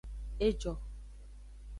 E jo.